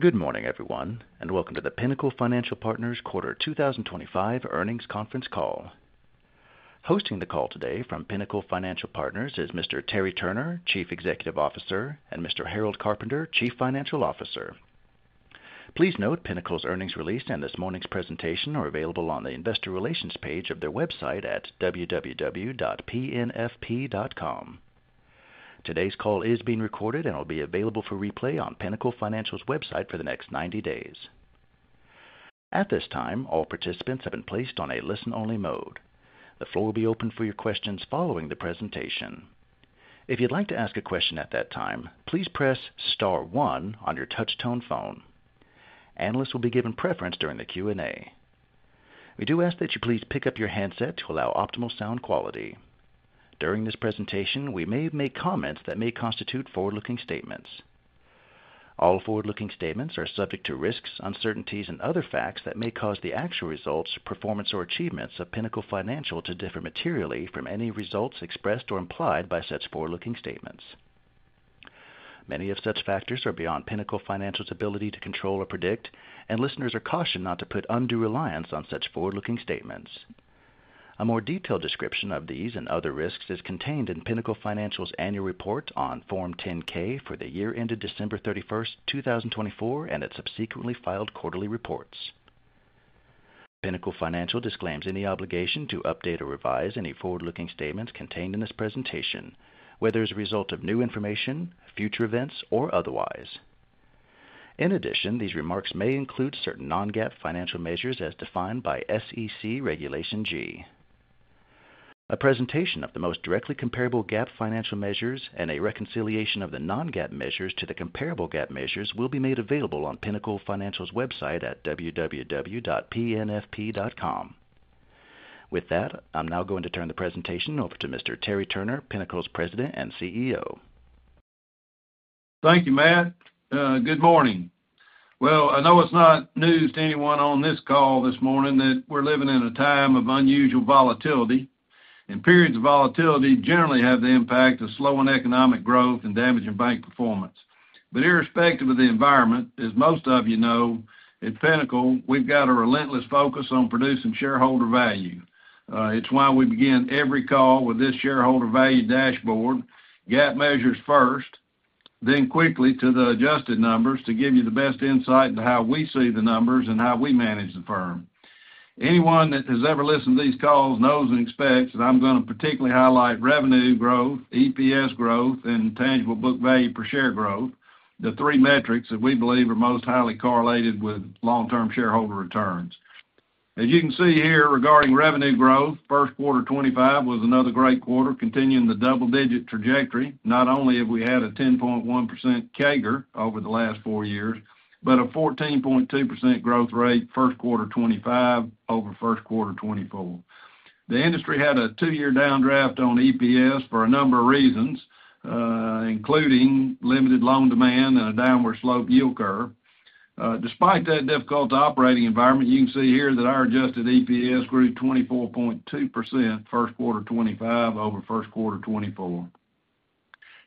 Good morning, everyone. Welcome to the Pinnacle Financial Partners Quarter 2025 Earnings Conference Call. Hosting the call today from Pinnacle Financial Partners is Mr. Terry Turner, Chief Executive Officer, and Mr. Harold Carpenter, Chief Financial Officer. Please note Pinnacle's earnings release and this morning's presentation are available on the investor relations page of their website at www.pnfp.com. Today's call is being recorded and will be available for replay on Pinnacle Financial's website for the next 90 days. At this time, all participants have been placed on a listen-only mode. The floor will be open for your questions following the presentation. If you'd like to ask a question at that time, please press star one on your touch-tone phone. Analysts will be given preference during the Q&A. We do ask that you please pick up your handset to allow optimal sound quality. During this presentation, we may make comments that may constitute forward-looking statements. All forward-looking statements are subject to risks, uncertainties, and other factors that may cause the actual results, performance, or achievements of Pinnacle Financial to differ materially from any results expressed or implied by such forward-looking statements. Many of such factors are beyond Pinnacle Financial's ability to control or predict, and listeners are cautioned not to put undue reliance on such forward-looking statements. A more detailed description of these and other risks is contained in Pinnacle Financial's annual report on Form 10-K for the year ended December 31, 2024, and its subsequently filed quarterly reports. Pinnacle Financial disclaims any obligation to update or revise any forward-looking statements contained in this presentation, whether as a result of new information, future events, or otherwise. In addition, these remarks may include certain non-GAAP financial measures as defined by SEC Regulation G. A presentation of the most directly comparable GAAP financial measures and a reconciliation of the non-GAAP measures to the comparable GAAP measures will be made available on Pinnacle Financial's website at www.pnfp.com. With that, I'm now going to turn the presentation over to Mr. Terry Turner, Pinnacle's President and CEO. Thank you, Matt. Good morning. I know it's not news to anyone on this call this morning that we're living in a time of unusual volatility, and periods of volatility generally have the impact of slowing economic growth and damaging bank performance. Irrespective of the environment, as most of you know, at Pinnacle, we've got a relentless focus on producing shareholder value. It's why we begin every call with this shareholder value dashboard: GAAP measures first, then quickly to the adjusted numbers to give you the best insight into how we see the numbers and how we manage the firm. Anyone that has ever listened to these calls knows and expects that I'm going to particularly highlight revenue growth, EPS growth, and tangible book value per share growth, the three metrics that we believe are most highly correlated with long-term shareholder returns. As you can see here, regarding revenue growth, first quarter 2025 was another great quarter, continuing the double-digit trajectory. Not only have we had a 10.1% CAGR over the last four years, but a 14.2% growth rate first quarter 2025 over first quarter 2024. The industry had a two-year downdraft on EPS for a number of reasons, including limited loan demand and a downward slope yield curve. Despite that difficult operating environment, you can see here that our adjusted EPS grew 24.2% first quarter 2025 over first quarter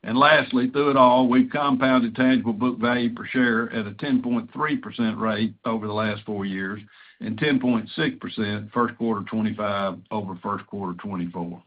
2024. Lastly, through it all, we've compounded tangible book value per share at a 10.3% rate over the last four years and 10.6% first quarter 2025 over first quarter 2024.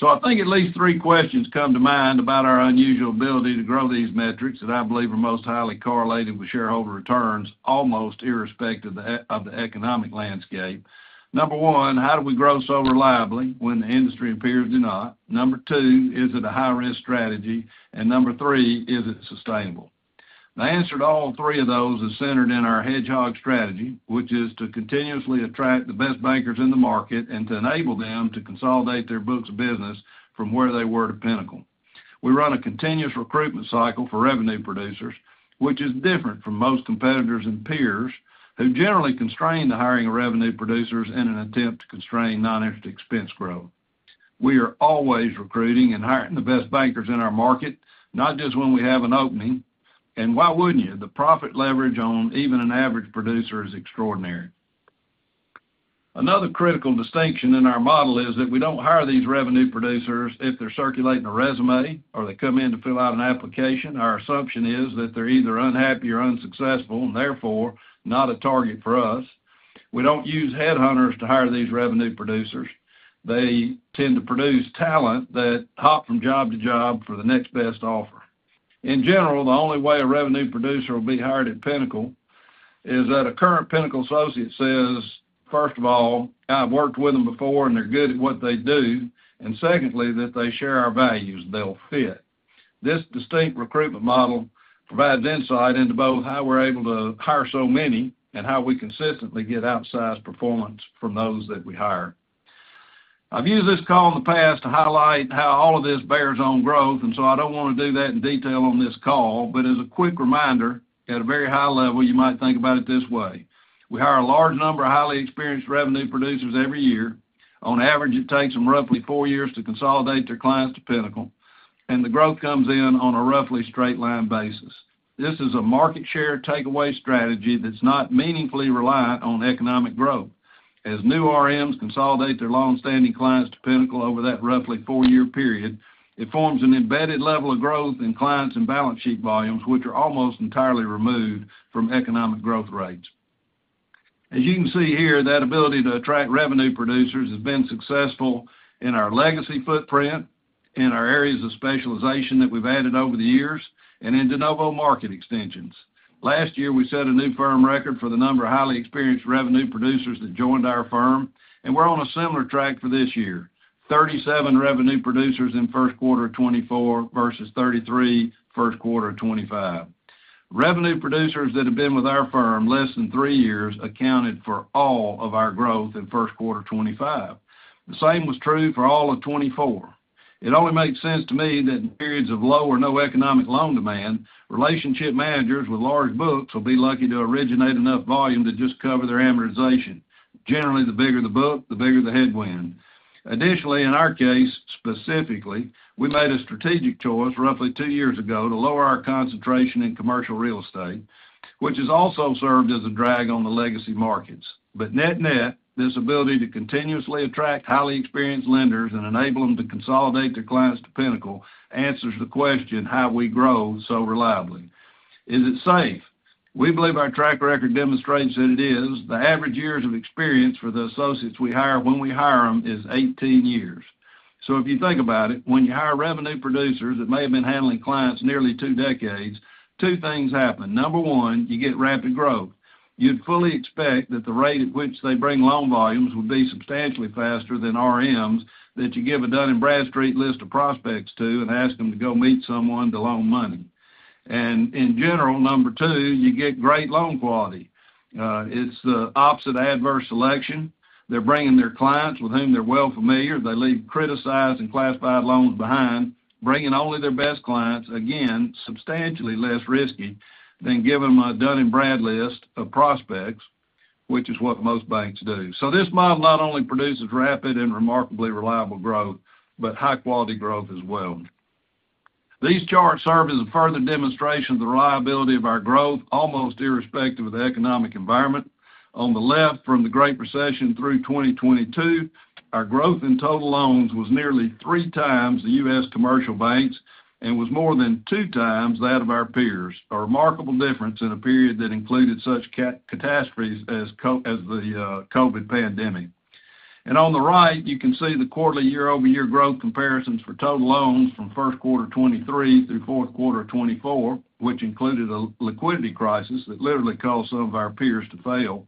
I think at least three questions come to mind about our unusual ability to grow these metrics that I believe are most highly correlated with shareholder returns, almost irrespective of the economic landscape. Number one, how do we grow so reliably when the industry appears to not? Number two, is it a high-risk strategy? And number three, is it sustainable? The answer to all three of those is centered in our hedgehog strategy, which is to continuously attract the best bankers in the market and to enable them to consolidate their books of business from where they were to Pinnacle. We run a continuous recruitment cycle for revenue producers, which is different from most competitors and peers who generally constrain the hiring of revenue producers in an attempt to constrain non-interest expense growth. We are always recruiting and hiring the best bankers in our market, not just when we have an opening. Why wouldn't you? The profit leverage on even an average producer is extraordinary. Another critical distinction in our model is that we don't hire these revenue producers if they're circulating a resume or they come in to fill out an application. Our assumption is that they're either unhappy or unsuccessful and therefore not a target for us. We don't use headhunters to hire these revenue producers. They tend to produce talent that hop from job to job for the next best offer. In general, the only way a revenue producer will be hired at Pinnacle is that a current Pinnacle associate says, "First of all, I've worked with them before and they're good at what they do," and secondly, that they share our values and they'll fit. This distinct recruitment model provides insight into both how we're able to hire so many and how we consistently get outsized performance from those that we hire. I've used this call in the past to highlight how all of this bears on growth, and I don't want to do that in detail on this call, but as a quick reminder at a very high level, you might think about it this way. We hire a large number of highly experienced revenue producers every year. On average, it takes them roughly four years to consolidate their clients to Pinnacle, and the growth comes in on a roughly straight-line basis. This is a market share takeaway strategy that's not meaningfully reliant on economic growth. As new RMs consolidate their long-standing clients to Pinnacle over that roughly four-year period, it forms an embedded level of growth in clients and balance sheet volumes, which are almost entirely removed from economic growth rates. As you can see here, that ability to attract revenue producers has been successful in our legacy footprint, in our areas of specialization that we've added over the years, and into Novo market extensions. Last year, we set a new firm record for the number of highly experienced revenue producers that joined our firm, and we're on a similar track for this year: 37 revenue producers in first quarter 2024 versus 33 first quarter 2025. Revenue producers that have been with our firm less than three years accounted for all of our growth in first quarter 2025. The same was true for all of 2024. It only makes sense to me that in periods of low or no economic loan demand, relationship managers with large books will be lucky to originate enough volume to just cover their amortization. Generally, the bigger the book, the bigger the headwind. Additionally, in our case specifically, we made a strategic choice roughly two years ago to lower our concentration in commercial real estate, which has also served as a drag on the legacy markets. Net-net, this ability to continuously attract highly experienced lenders and enable them to consolidate their clients to Pinnacle answers the question, "How do we grow so reliably? Is it safe?" We believe our track record demonstrates that it is. The average years of experience for the associates we hire when we hire them is 18 years. If you think about it, when you hire revenue producers that may have been handling clients nearly two decades, two things happen. Number one, you get rapid growth. You'd fully expect that the rate at which they bring loan volumes would be substantially faster than RMs that you give a Dun & Bradstreet list of prospects to and ask them to go meet someone to loan money. In general, number two, you get great loan quality. It's the opposite adverse selection. They're bringing their clients with whom they're well familiar. They leave criticized and classified loans behind, bringing only their best clients, again, substantially less risky than giving them a Dun & Bradstreet list of prospects, which is what most banks do. This model not only produces rapid and remarkably reliable growth, but high-quality growth as well. These charts serve as a further demonstration of the reliability of our growth, almost irrespective of the economic environment. On the left, from the Great Recession through 2022, our growth in total loans was nearly three times the U.S. commercial banks and was more than two times that of our peers, a remarkable difference in a period that included such catastrophes as the COVID pandemic. On the right, you can see the quarterly year-over-year growth comparisons for total loans from first quarter 2023 through fourth quarter 2024, which included a liquidity crisis that literally caused some of our peers to fail.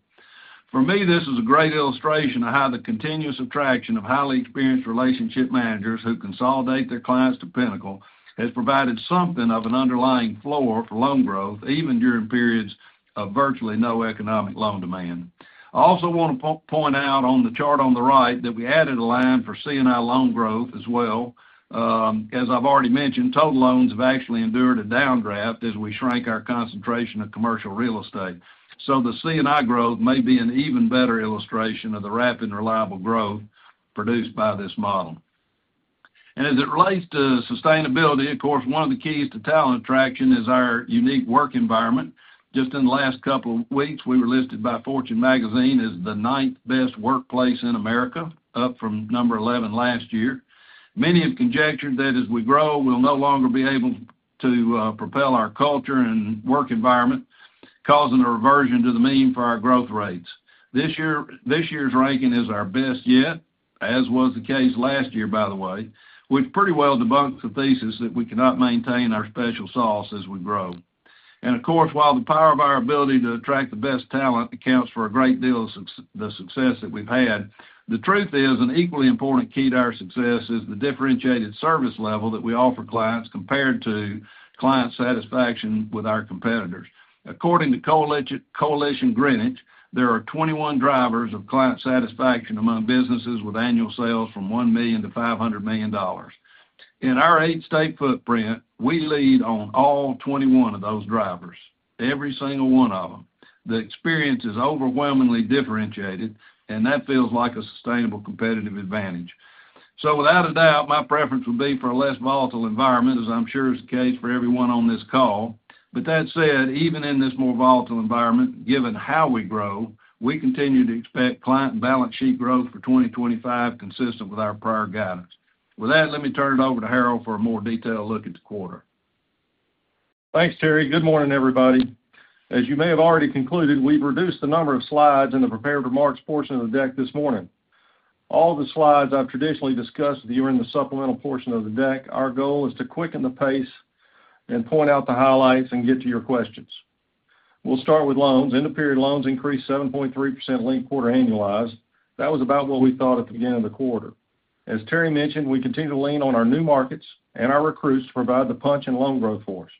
For me, this is a great illustration of how the continuous attraction of highly experienced relationship managers who consolidate their clients to Pinnacle has provided something of an underlying floor for loan growth, even during periods of virtually no economic loan demand. I also want to point out on the chart on the right that we added a line for C&I loan growth as well. As I've already mentioned, total loans have actually endured a downdraft as we shrink our concentration of commercial real estate. The C&I growth may be an even better illustration of the rapid and reliable growth produced by this model. As it relates to sustainability, of course, one of the keys to talent attraction is our unique work environment. Just in the last couple of weeks, we were listed by Fortune Magazine as the ninth best workplace in America, up from number 11 last year. Many have conjectured that as we grow, we'll no longer be able to propel our culture and work environment, causing a reversion to the mean for our growth rates. This year's ranking is our best yet, as was the case last year, by the way, which pretty well debunks the thesis that we cannot maintain our special sauce as we grow. Of course, while the power of our ability to attract the best talent accounts for a great deal of the success that we've had, the truth is an equally important key to our success is the differentiated service level that we offer clients compared to client satisfaction with our competitors. According to Coalition Greenwich, there are 21 drivers of client satisfaction among businesses with annual sales from $1 million to $500 million. In our eight-state footprint, we lead on all 21 of those drivers, every single one of them. The experience is overwhelmingly differentiated, and that feels like a sustainable competitive advantage. Without a doubt, my preference would be for a less volatile environment, as I'm sure is the case for everyone on this call. That said, even in this more volatile environment, given how we grow, we continue to expect client balance sheet growth for 2025 consistent with our prior guidance. With that, let me turn it over to Harold for a more detailed look at the quarter. Thanks, Terry. Good morning, everybody. As you may have already concluded, we've reduced the number of slides in the prepared remarks portion of the deck this morning. All the slides I've traditionally discussed with you are in the supplemental portion of the deck. Our goal is to quicken the pace and point out the highlights and get to your questions. We'll start with loans. End-of-period loans increased 7.3% link quarter annualized. That was about what we thought at the beginning of the quarter. As Terry mentioned, we continue to lean on our new markets and our recruits to provide the punch and loan growth for us.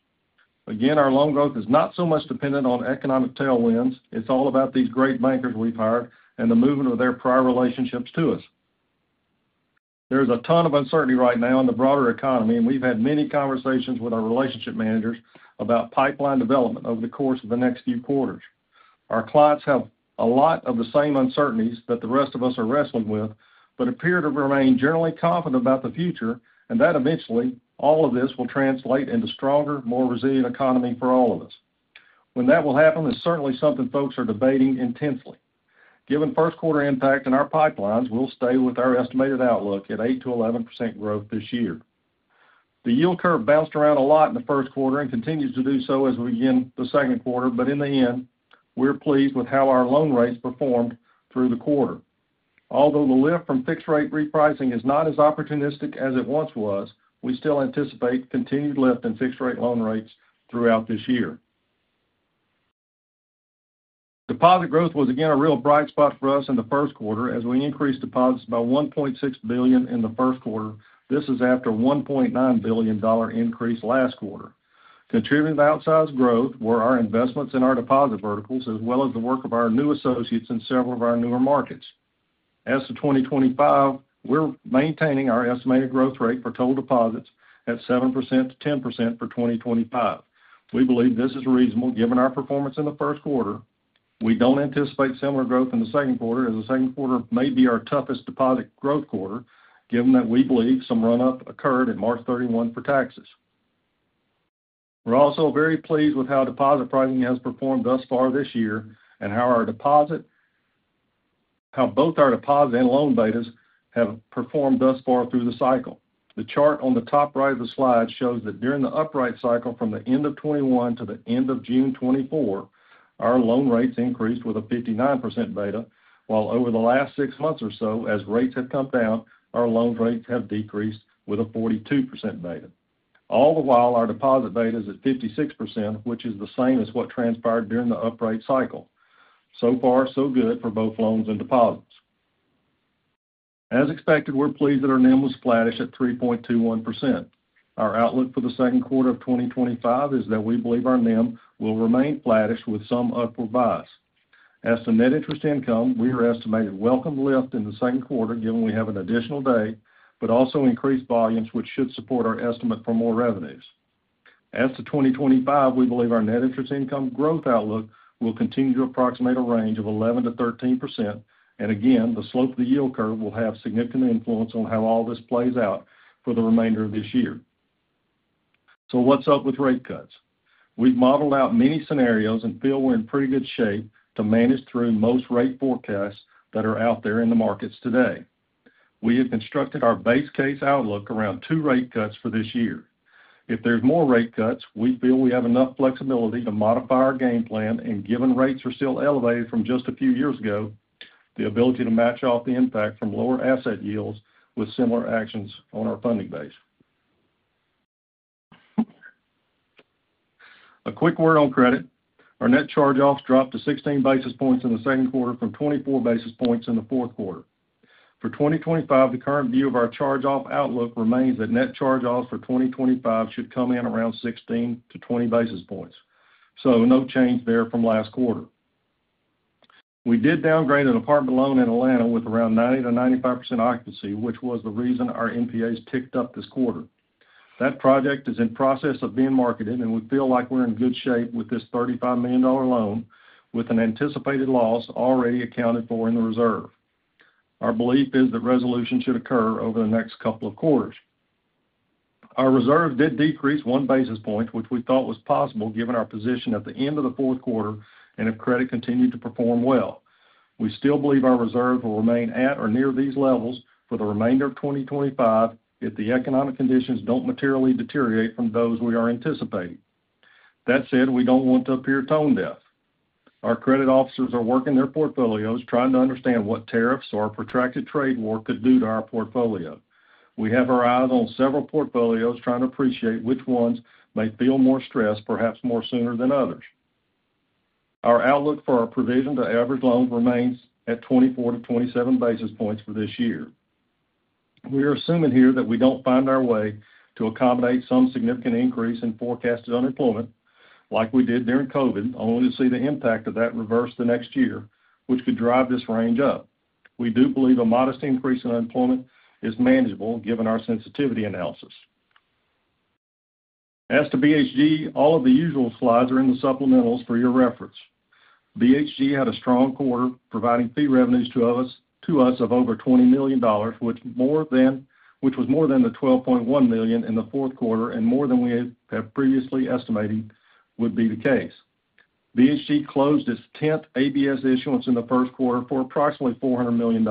Again, our loan growth is not so much dependent on economic tailwinds. It's all about these great bankers we've hired and the movement of their prior relationships to us. There is a ton of uncertainty right now in the broader economy, and we've had many conversations with our relationship managers about pipeline development over the course of the next few quarters. Our clients have a lot of the same uncertainties that the rest of us are wrestling with, but appear to remain generally confident about the future, and that eventually, all of this will translate into a stronger, more resilient economy for all of us. When that will happen is certainly something folks are debating intensely. Given first quarter impact in our pipelines, we'll stay with our estimated outlook at 8-11% growth this year. The yield curve bounced around a lot in the first quarter and continues to do so as we begin the second quarter, but in the end, we're pleased with how our loan rates performed through the quarter. Although the lift from fixed-rate repricing is not as opportunistic as it once was, we still anticipate continued lift in fixed-rate loan rates throughout this year. Deposit growth was again a real bright spot for us in the first quarter as we increased deposits by $1.6 billion in the first quarter. This is after a $1.9 billion increase last quarter. Contributing to outsized growth were our investments in our deposit verticals as well as the work of our new associates in several of our newer markets. As for 2025, we're maintaining our estimated growth rate for total deposits at 7%-10% for 2025. We believe this is reasonable given our performance in the first quarter. We don't anticipate similar growth in the second quarter as the second quarter may be our toughest deposit growth quarter given that we believe some run-up occurred in March 31 for taxes. We're also very pleased with how deposit pricing has performed thus far this year and how both our deposit and loan betas have performed thus far through the cycle. The chart on the top right of the slide shows that during the up-rate cycle from the end of 2021 to the end of June 2024, our loan rates increased with a 59% beta, while over the last six months or so, as rates have come down, our loan rates have decreased with a 42% beta. All the while, our deposit beta is at 56%, which is the same as what transpired during the up-rate cycle. So far, so good for both loans and deposits. As expected, we're pleased that our NIM was flattish at 3.21%. Our outlook for the second quarter of 2025 is that we believe our NIM will remain flattish with some upward bias. As to net interest income, we are estimated welcome lift in the second quarter given we have an additional date, but also increased volumes, which should support our estimate for more revenues. As to 2025, we believe our net interest income growth outlook will continue to approximate a range of 11-13%, and again, the slope of the yield curve will have significant influence on how all this plays out for the remainder of this year. What's up with rate cuts? We've modeled out many scenarios and feel we're in pretty good shape to manage through most rate forecasts that are out there in the markets today. We have constructed our base case outlook around two rate cuts for this year. If there's more rate cuts, we feel we have enough flexibility to modify our game plan, and given rates are still elevated from just a few years ago, the ability to match off the impact from lower asset yields with similar actions on our funding base. A quick word on credit. Our net charge-offs dropped to 16 basis points in the second quarter from 24 basis points in the fourth quarter. For 2025, the current view of our charge-off outlook remains that net charge-offs for 2025 should come in around 16-20 basis points. No change there from last quarter. We did downgrade an apartment loan in Atlanta with around 90-95% occupancy, which was the reason our MPAs ticked up this quarter. That project is in process of being marketed, and we feel like we're in good shape with this $35 million loan, with an anticipated loss already accounted for in the reserve. Our belief is that resolution should occur over the next couple of quarters. Our reserve did decrease one basis point, which we thought was possible given our position at the end of the fourth quarter and if credit continued to perform well. We still believe our reserve will remain at or near these levels for the remainder of 2025 if the economic conditions don't materially deteriorate from those we are anticipating. That said, we don't want to appear tone-deaf. Our credit officers are working their portfolios, trying to understand what tariffs or protracted trade war could do to our portfolio. We have our eyes on several portfolios, trying to appreciate which ones may feel more stressed, perhaps more sooner than others. Our outlook for our provision to average loans remains at 24-27 basis points for this year. We are assuming here that we do not find our way to accommodate some significant increase in forecasted unemployment like we did during COVID, only to see the impact of that reverse the next year, which could drive this range up. We do believe a modest increase in unemployment is manageable given our sensitivity analysis. As to BHG, all of the usual slides are in the supplementals for your reference. BHG had a strong quarter, providing fee revenues to us of over $20 million, which was more than the $12.1 million in the fourth quarter and more than we have previously estimated would be the case. BHG closed its 10th ABS issuance in the first quarter for approximately $400 million.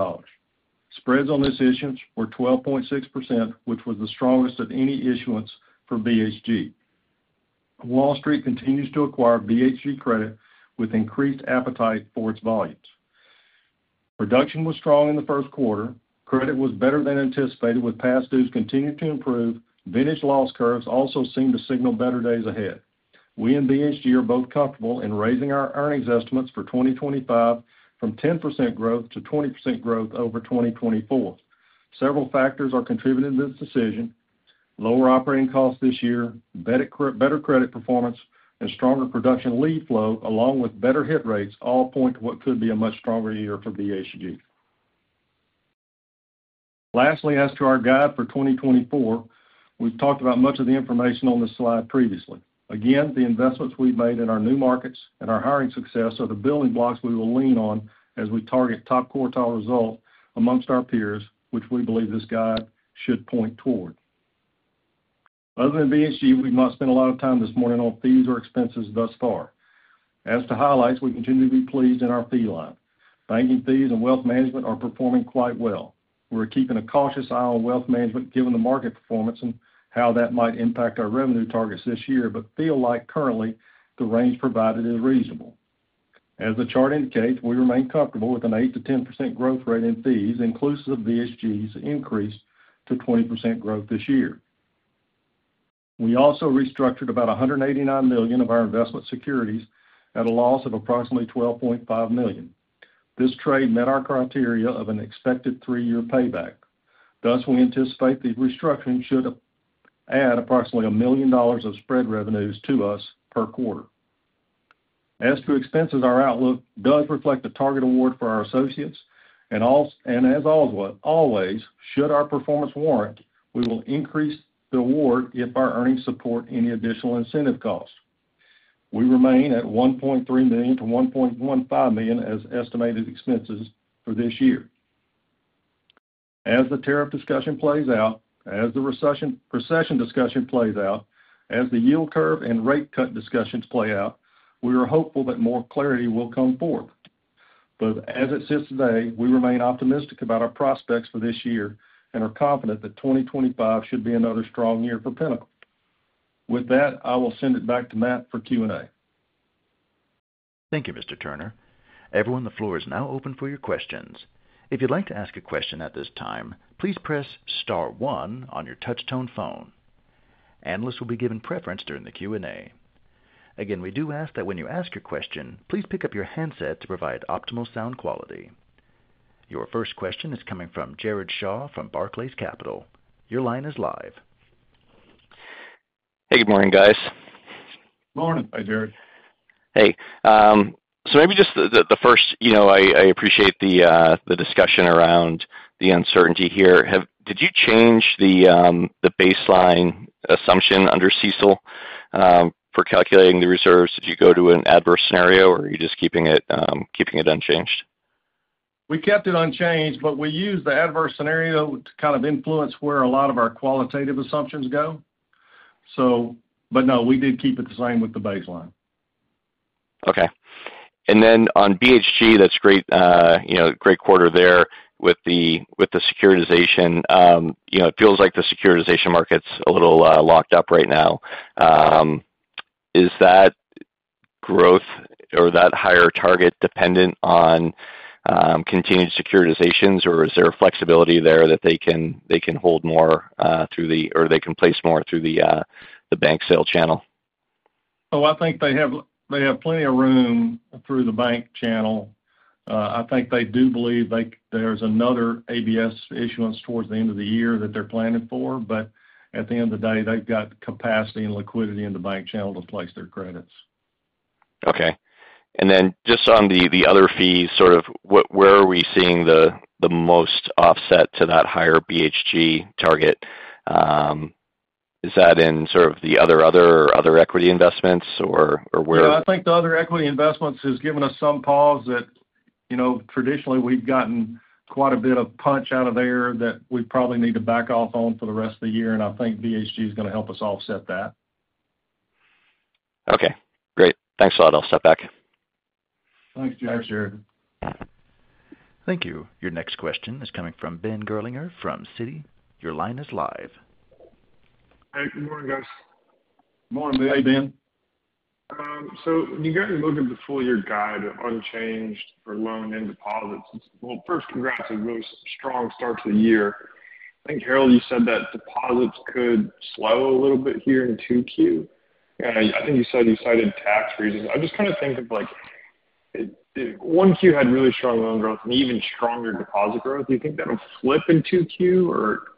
Spreads on this issuance were 12.6%, which was the strongest of any issuance for BHG. Wall Street continues to acquire BHG credit with increased appetite for its volumes. Production was strong in the first quarter. Credit was better than anticipated, with past dues continuing to improve. Vintage loss curves also seem to signal better days ahead. We and BHG are both comfortable in raising our earnings estimates for 2025 from 10% growth to 20% growth over 2024. Several factors are contributing to this decision: lower operating costs this year, better credit performance, and stronger production lead flow, along with better hit rates, all point to what could be a much stronger year for BHG. Lastly, as to our guide for 2024, we've talked about much of the information on this slide previously. Again, the investments we've made in our new markets and our hiring success are the building blocks we will lean on as we target top quartile results amongst our peers, which we believe this guide should point toward. Other than BHG, we have not spent a lot of time this morning on fees or expenses thus far. As to highlights, we continue to be pleased in our fee line. Banking fees and wealth management are performing quite well. We're keeping a cautious eye on wealth management given the market performance and how that might impact our revenue targets this year, but feel like currently the range provided is reasonable. As the chart indicates, we remain comfortable with an 8-10% growth rate in fees, inclusive of BHG's increase to 20% growth this year. We also restructured about $189 million of our investment securities at a loss of approximately $12.5 million. This trade met our criteria of an expected three-year payback. Thus, we anticipate the restructuring should add approximately $1 million of spread revenues to us per quarter. As to expenses, our outlook does reflect the target award for our associates, and as always, should our performance warrant, we will increase the award if our earnings support any additional incentive costs. We remain at $1.3 million-$1.15 million as estimated expenses for this year. As the tariff discussion plays out, as the recession discussion plays out, as the yield curve and rate cut discussions play out, we are hopeful that more clarity will come forth. As it sits today, we remain optimistic about our prospects for this year and are confident that 2025 should be another strong year for Pinnacle. With that, I will send it back to Matt for Q&A. Thank you, Mr. Turner. Everyone, the floor is now open for your questions. If you'd like to ask a question at this time, please press Star one on your touch-tone phone. Analysts will be given preference during the Q&A. Again, we do ask that when you ask your question, please pick up your handset to provide optimal sound quality. Your first question is coming from Jared Shaw from Barclays Capital. Your line is live. Hey, good morning, guys. Morning. Hi, Jared. Hey. Maybe just the first, I appreciate the discussion around the uncertainty here. Did you change the baseline assumption under CECL for calculating the reserves? Did you go to an adverse scenario, or are you just keeping it unchanged? We kept it unchanged, but we used the adverse scenario to kind of influence where a lot of our qualitative assumptions go. No, we did keep it the same with the baseline. Okay. On BHG, that's a great quarter there with the securitization. It feels like the securitization market's a little locked up right now. Is that growth or that higher target dependent on continued securitizations, or is there a flexibility there that they can hold more through the, or they can place more through the bank sale channel? Oh, I think they have plenty of room through the bank channel. I think they do believe there's another ABS issuance towards the end of the year that they're planning for, but at the end of the day, they've got capacity and liquidity in the bank channel to place their credits. Okay. Then just on the other fees, sort of where are we seeing the most offset to that higher BHG target? Is that in sort of the other equity investments, or where? Yeah, I think the other equity investments has given us some pause that traditionally we've gotten quite a bit of punch out of there that we probably need to back off on for the rest of the year, and I think BHG is going to help us offset that. Okay. Great. Thanks a lot. I'll step back. Thanks, Jared. Thank you. Your next question is coming from Ben Gerlinger from Citi. Your line is live. Hey, good morning, guys. Morning, Ben. Hi, Ben. You guys are moving to the full-year guide unchanged for loan and deposits. First, congrats on a really strong start to the year. I think, Harold, you said that deposits could slow a little bit here in 2Q. I think you said you cited tax reasons. I just kind of think of 1Q had really strong loan growth and even stronger deposit growth. Do you think that'll flip in 2Q, or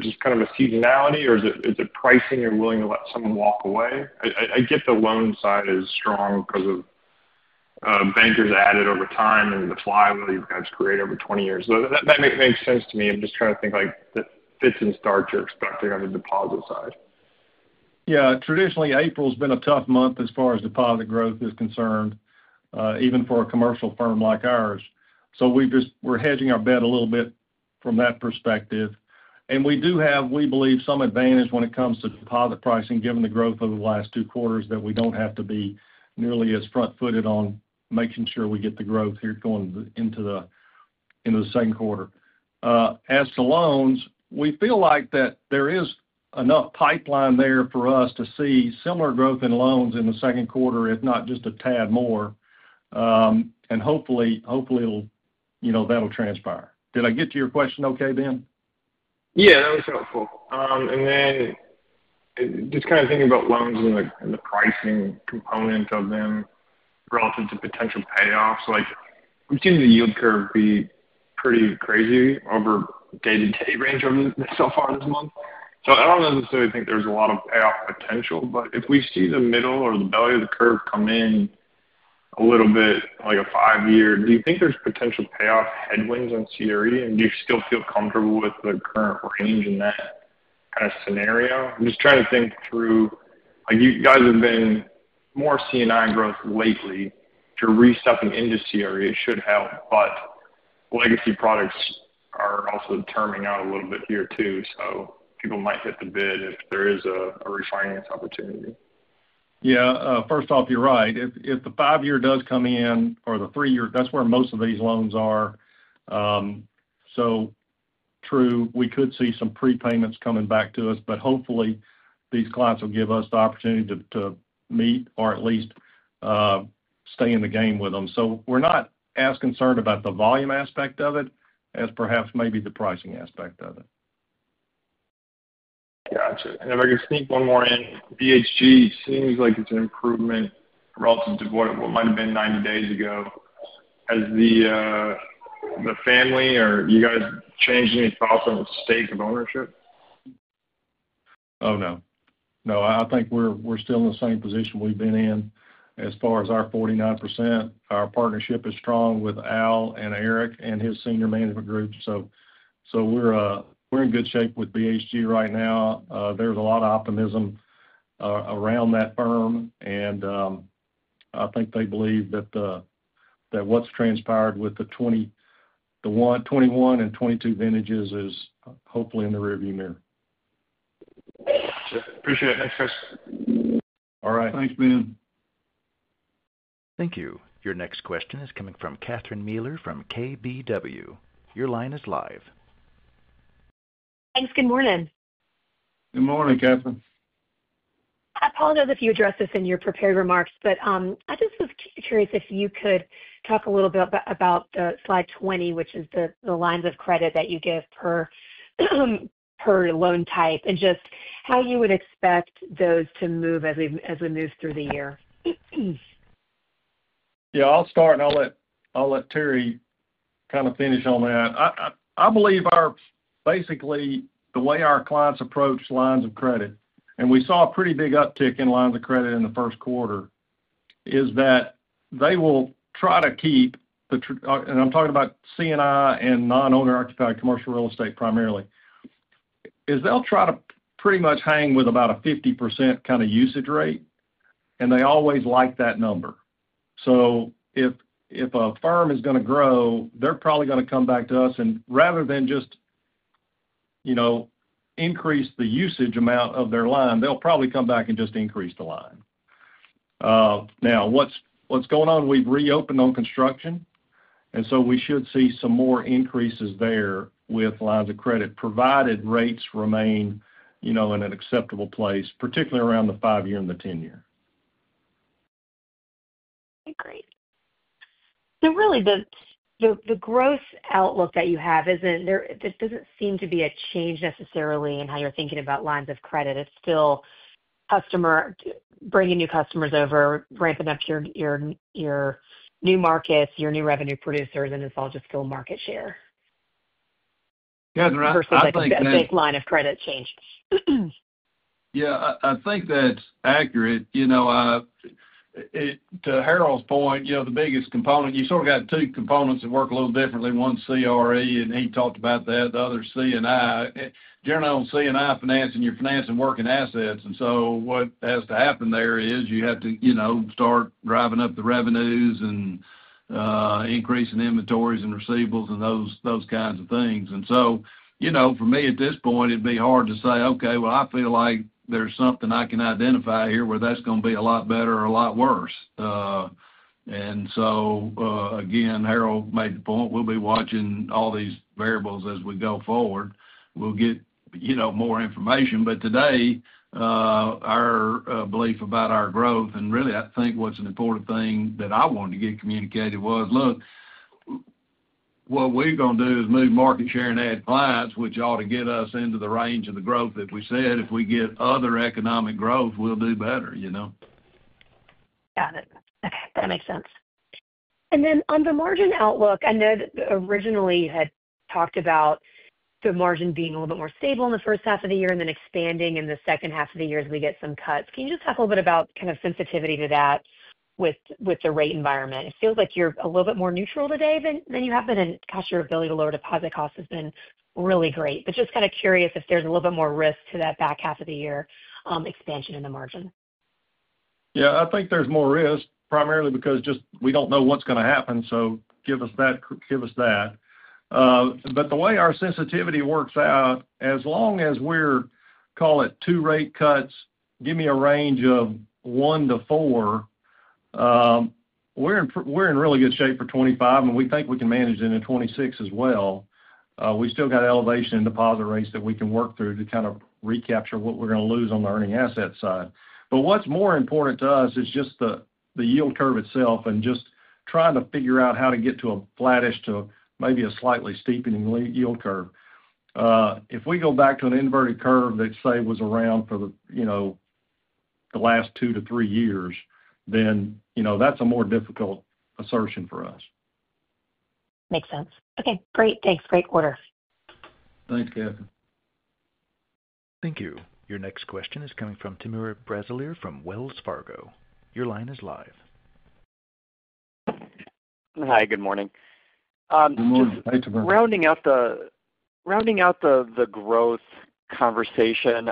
just kind of a seasonality, or is it pricing you're willing to let someone walk away? I get the loan side is strong because of bankers added over time and the flywheel you guys create over 20 years. That makes sense to me. I'm just trying to think that fits and starts you're expecting on the deposit side. Yeah. Traditionally, April has been a tough month as far as deposit growth is concerned, even for a commercial firm like ours. We are hedging our bet a little bit from that perspective. We do have, we believe, some advantage when it comes to deposit pricing given the growth over the last two quarters that we do not have to be nearly as front-footed on making sure we get the growth here going into the second quarter. As to loans, we feel like there is enough pipeline there for us to see similar growth in loans in the second quarter, if not just a tad more, and hopefully that will transpire. Did I get your question okay, Ben? Yeah, that was helpful. Just kind of thinking about loans and the pricing component of them relative to potential payoffs, we've seen the yield curve be pretty crazy over day-to-day range so far this month. I don't necessarily think there's a lot of payoff potential, but if we see the middle or the belly of the curve come in a little bit, like a five-year, do you think there's potential payoff headwinds on CRE, and do you still feel comfortable with the current range in that kind of scenario? I'm just trying to think through. You guys have been more C&I growth lately. If you're re-stepping into CRE, it should help, but legacy products are also terminating out a little bit here too, so people might hit the bid if there is a refinance opportunity. Yeah. First off, you're right. If the five-year does come in or the three-year, that's where most of these loans are. True, we could see some prepayments coming back to us, but hopefully these clients will give us the opportunity to meet or at least stay in the game with them. We're not as concerned about the volume aspect of it as perhaps maybe the pricing aspect of it. Gotcha. If I could sneak one more in, BHG seems like it's an improvement relative to what might have been 90 days ago. Has the family or you guys changed any thoughts on the stake of ownership? Oh, no. No, I think we're still in the same position we've been in as far as our 49%. Our partnership is strong with Al and Eric and his senior management group. So we're in good shape with BHG right now. There's a lot of optimism around that firm, and I think they believe that what's transpired with the 2021 and 2022 vintages is hopefully in the rearview mirror. Gotcha. Appreciate it. Thanks, guys. All right. Thanks, Ben. Thank you. Your next question is coming from Catherine Mealor from KBW. Your line is live. Thanks. Good morning. Good morning, Catherine. I apologize if you address this in your prepared remarks, but I just was curious if you could talk a little bit about the slide 20, which is the lines of credit that you give per loan type and just how you would expect those to move as we move through the year? Yeah. I'll start, and I'll let Terry kind of finish on that. I believe basically the way our clients approach lines of credit, and we saw a pretty big uptick in lines of credit in the first quarter, is that they will try to keep the—and I'm talking about C&I and non-owner-occupied commercial real estate primarily—is they'll try to pretty much hang with about a 50% kind of usage rate, and they always like that number. If a firm is going to grow, they're probably going to come back to us, and rather than just increase the usage amount of their line, they'll probably come back and just increase the line. Now, what's going on? We've reopened on construction, and we should see some more increases there with lines of credit provided rates remain in an acceptable place, particularly around the five-year and the ten-year. Okay. Great. Really, the growth outlook that you have is not—this does not seem to be a change necessarily in how you're thinking about lines of credit. It's still bringing new customers over, ramping up your new markets, your new revenue producers, and it's all just still market share versus that baseline of credit change. Yeah. I think that's accurate. To Harold's point, the biggest component—you sort of got two components that work a little differently. One's CRE, and he talked about that. The other's C&I. Generally, on C&I financing, you're financing working assets, and so what has to happen there is you have to start driving up the revenues and increasing inventories and receivables and those kinds of things. For me, at this point, it'd be hard to say, "Okay, well, I feel like there's something I can identify here where that's going to be a lot better or a lot worse." Harold made the point. We'll be watching all these variables as we go forward. We'll get more information. Today, our belief about our growth—and really, I think what's an important thing that I wanted to get communicated was, "Look, what we're going to do is move market share and add clients, which ought to get us into the range of the growth that we said. If we get other economic growth, we'll do better. Got it. Okay. That makes sense. Then on the margin outlook, I know that originally you had talked about the margin being a little bit more stable in the first half of the year and then expanding in the second half of the year as we get some cuts. Can you just talk a little bit about kind of sensitivity to that with the rate environment? It feels like you're a little bit more neutral today than you have been, and gosh, your ability to lower deposit costs has been really great. Just kind of curious if there's a little bit more risk to that back half of the year expansion in the margin. Yeah. I think there's more risk primarily because just we don't know what's going to happen, so give us that. The way our sensitivity works out, as long as we're—call it two rate cuts, give me a range of one to four—we're in really good shape for 2025, and we think we can manage it into 2026 as well. We still got elevation in deposit rates that we can work through to kind of recapture what we're going to lose on the earning asset side. What's more important to us is just the yield curve itself and just trying to figure out how to get to a flattish to maybe a slightly steepening yield curve. If we go back to an inverted curve that, say, was around for the last two to three years, that's a more difficult assertion for us. Makes sense. Okay. Great. Thanks. Great quarter. Thanks, Catherine. Thank you. Your next question is coming from Timur Tholer from Wells Fargo. Your line is live. Hi. Good morning. Good morning. Hey, Timur. Rounding out the growth conversation.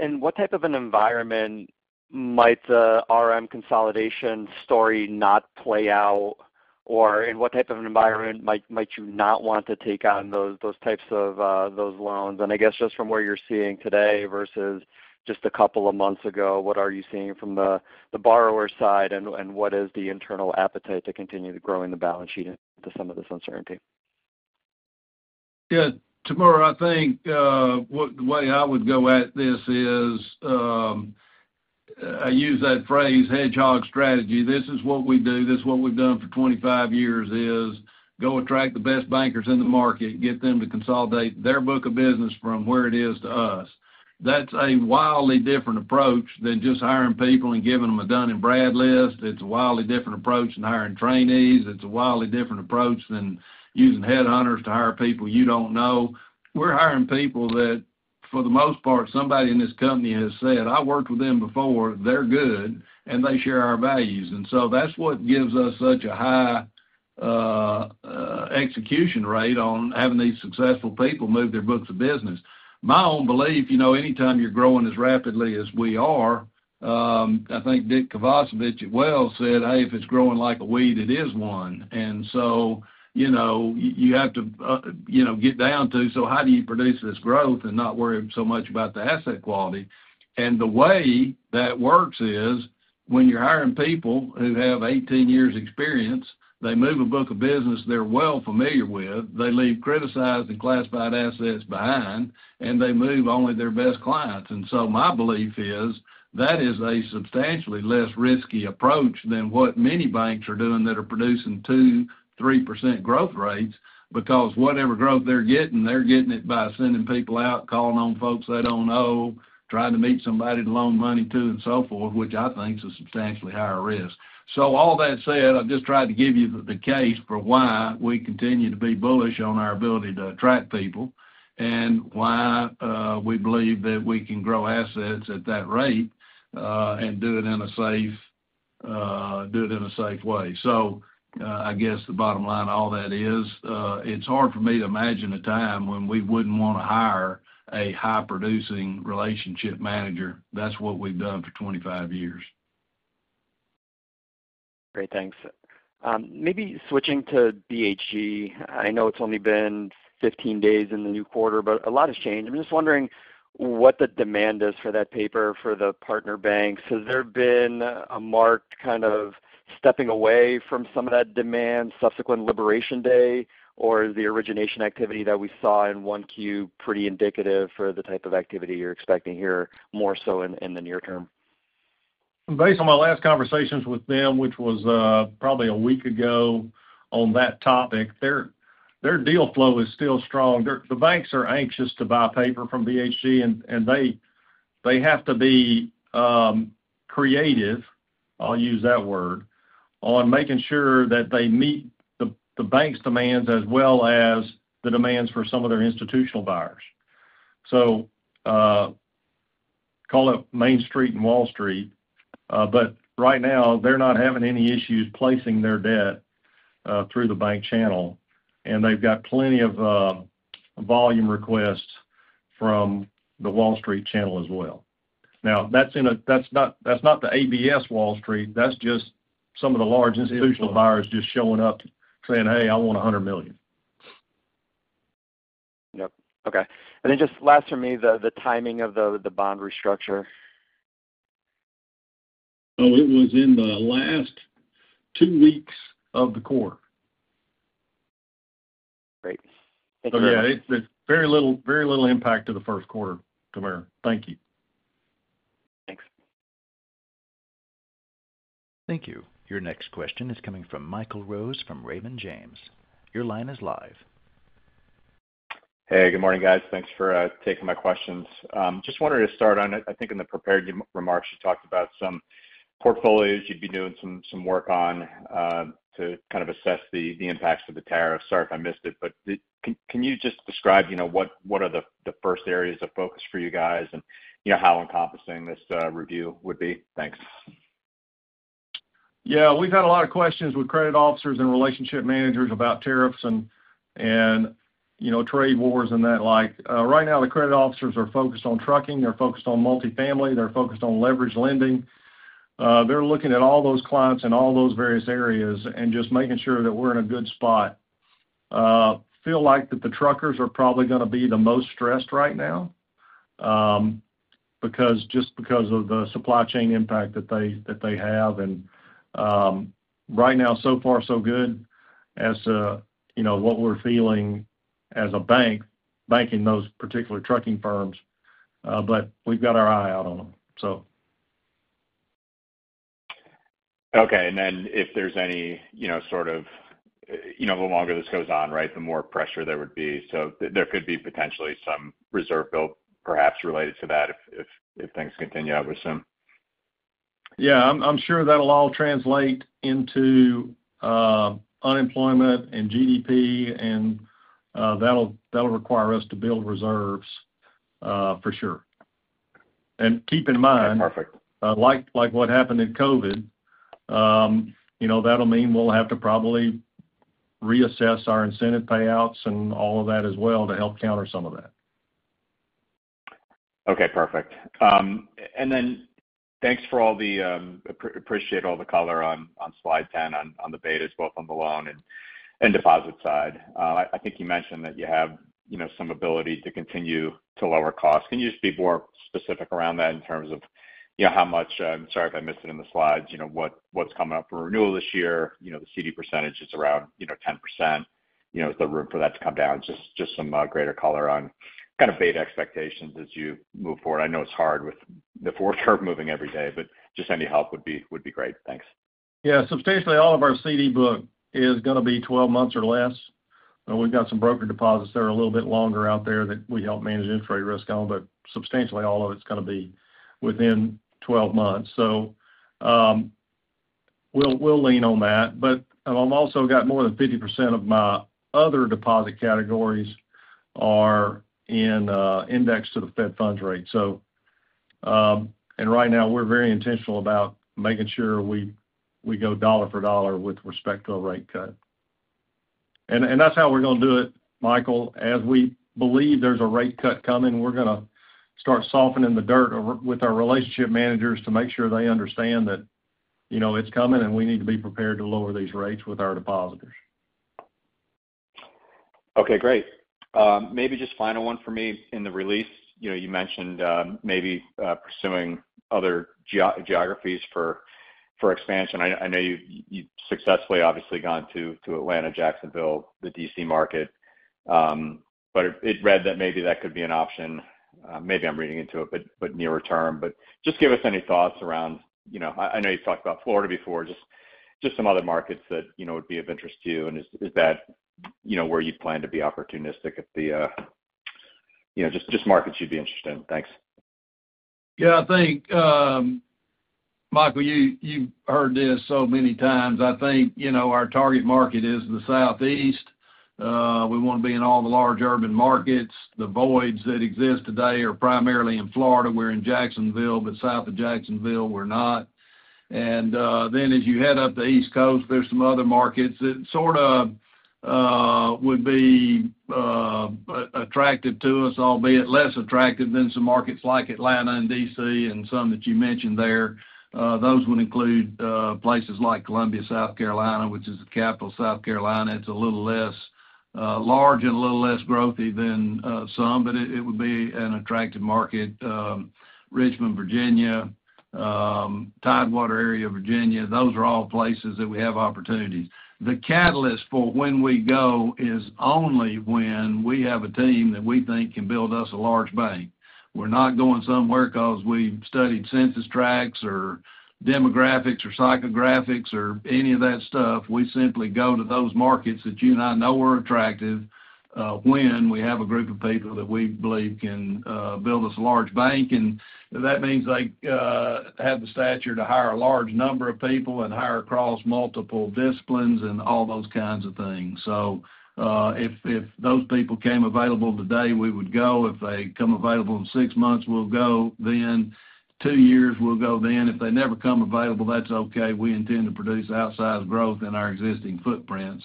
In what type of an environment might the RM consolidation story not play out, or in what type of an environment might you not want to take on those types of loans? I guess just from what you're seeing today versus just a couple of months ago, what are you seeing from the borrower side, and what is the internal appetite to continue growing the balance sheet into some of this uncertainty? Yeah. Timur, I think the way I would go at this is I use that phrase, hedgehog strategy. This is what we do. This is what we've done for 25 years: go attract the best bankers in the market, get them to consolidate their book of business from where it is to us. That's a wildly different approach than just hiring people and giving them a Dun & Bradstreet list. It's a wildly different approach than hiring trainees. It's a wildly different approach than using headhunters to hire people you don't know. We're hiring people that, for the most part, somebody in this company has said, "I worked with them before. They're good, and they share our values." That is what gives us such a high execution rate on having these successful people move their books of business. My own belief, anytime you're growing as rapidly as we are, I think Dick Kovacevich at Wells said, "Hey, if it's growing like a weed, it is one." You have to get down to, "How do you produce this growth and not worry so much about the asset quality?" The way that works is when you're hiring people who have 18 years' experience, they move a book of business they're well familiar with, they leave criticized and classified assets behind, and they move only their best clients. My belief is that is a substantially less risky approach than what many banks are doing that are producing 2-3% growth rates because whatever growth they're getting, they're getting it by sending people out, calling on folks they don't know, trying to meet somebody to loan money to, and so forth, which I think is a substantially higher risk. All that said, I've just tried to give you the case for why we continue to be bullish on our ability to attract people and why we believe that we can grow assets at that rate and do it in a safe way. I guess the bottom line of all that is it's hard for me to imagine a time when we wouldn't want to hire a high-producing relationship manager. That's what we've done for 25 years. Great. Thanks. Maybe switching to BHG. I know it's only been 15 days in the new quarter, but a lot has changed. I'm just wondering what the demand is for that paper for the partner banks. Has there been a marked kind of stepping away from some of that demand, subsequent liberation day, or is the origination activity that we saw in one Q pretty indicative for the type of activity you're expecting here more so in the near term? Based on my last conversations with them, which was probably a week ago on that topic, their deal flow is still strong. The banks are anxious to buy paper from BHG, and they have to be creative, I'll use that word, on making sure that they meet the bank's demands as well as the demands for some of their institutional buyers. Call it Main Street and Wall Street, but right now, they're not having any issues placing their debt through the bank channel, and they've got plenty of volume requests from the Wall Street channel as well. Now, that's not the ABS Wall Street. That's just some of the large institutional buyers just showing up saying, "Hey, I want $100 million. Yep. Okay. Just last for me, the timing of the bond restructure. Oh, it was in the last two weeks of the quarter. Great. Thank you, Harold. Yeah, very little impact to the first quarter, Timur. Thank you. Thanks. Thank you. Your next question is coming from Michael Rose from Raymond James. Your line is live. Hey. Good morning, guys. Thanks for taking my questions. Just wanted to start on it. I think in the prepared remarks, you talked about some portfolios you'd be doing some work on to kind of assess the impacts of the tariffs. Sorry if I missed it, but can you just describe what are the first areas of focus for you guys and how encompassing this review would be? Thanks. Yeah. We've had a lot of questions with credit officers and relationship managers about tariffs and trade wars and that like. Right now, the credit officers are focused on trucking. They're focused on multifamily. They're focused on leverage lending. They're looking at all those clients in all those various areas and just making sure that we're in a good spot. I feel like that the truckers are probably going to be the most stressed right now just because of the supply chain impact that they have. Right now, so far, so good as to what we're feeling as a bank, banking those particular trucking firms, but we've got our eye out on them. Okay. If there is any sort of the longer this goes on, right, the more pressure there would be. There could be potentially some reserve built, perhaps, related to that if things continue, I would assume? Yeah. I'm sure that'll all translate into unemployment and GDP, and that'll require us to build reserves for sure. Okay. Perfect. Keep in mind like what happened in COVID, that'll mean we'll have to probably reassess our incentive payouts and all of that as well to help counter some of that. Okay. Perfect. Thanks for all the color on slide 10 on the betas, both on the loan and deposit side. I think you mentioned that you have some ability to continue to lower costs. Can you just be more specific around that in terms of how much—I am sorry if I missed it in the slides—what is coming up for renewal this year? The CD percentage is around 10%. Is there room for that to come down? Just some greater color on kind of beta expectations as you move forward. I know it is hard with the fourth curve moving every day, but just any help would be great. Thanks. Yeah. Substantially, all of our CD book is going to be 12 months or less. We've got some broker deposits that are a little bit longer out there that we help manage interest rate risk on, but substantially, all of it's going to be within 12 months. We will lean on that. I have also got more than 50% of my other deposit categories are indexed to the Fed funds rate. Right now, we are very intentional about making sure we go dollar for dollar with respect to a rate cut. That is how we are going to do it, Michael. As we believe there is a rate cut coming, we are going to start softening the dirt with our relationship managers to make sure they understand that it is coming and we need to be prepared to lower these rates with our depositors. Okay. Great. Maybe just final one for me in the release. You mentioned maybe pursuing other geographies for expansion. I know you've successfully, obviously, gone to Atlanta, Jacksonville, the DC market, but it read that maybe that could be an option. Maybe I'm reading into it, but nearer term. Just give us any thoughts around—I know you've talked about Florida before, just some other markets that would be of interest to you. Is that where you plan to be opportunistic at the—just markets you'd be interested in. Thanks. Yeah. I think, Michael, you've heard this so many times. I think our target market is the Southeast. We want to be in all the large urban markets. The voids that exist today are primarily in Florida. We're in Jacksonville, but south of Jacksonville, we're not. As you head up the East Coast, there's some other markets that sort of would be attractive to us, albeit less attractive than some markets like Atlanta and DC and some that you mentioned there. Those would include places like Columbia, South Carolina, which is the capital of South Carolina. It's a little less large and a little less growthy than some, but it would be an attractive market. Richmond, Virginia, Tidewater area, Virginia, those are all places that we have opportunities. The catalyst for when we go is only when we have a team that we think can build us a large bank. We're not going somewhere because we've studied census tracts or demographics or psychographics or any of that stuff. We simply go to those markets that you and I know are attractive when we have a group of people that we believe can build us a large bank. That means they have the stature to hire a large number of people and hire across multiple disciplines and all those kinds of things. If those people came available today, we would go. If they come available in six months, we'll go. If in two years, we'll go. If they never come available, that's okay. We intend to produce outsized growth in our existing footprint.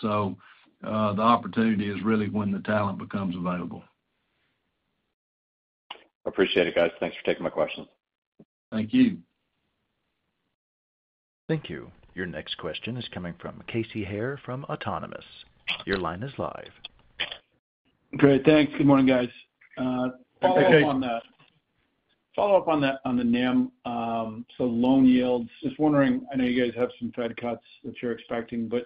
The opportunity is really when the talent becomes available. Appreciate it, guys. Thanks for taking my questions. Thank you. Thank you. Your next question is coming from Casey Haire from Autonomous. Your line is live. Great. Thanks. Good morning, guys. Follow up on that. Follow up on the NIM. Loan yields, just wondering, I know you guys have some Fed cuts that you're expecting, but